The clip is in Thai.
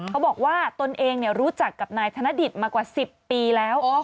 บอกว่าตนเองรู้จักกับนายธนดิตมากว่า๑๐ปีแล้ว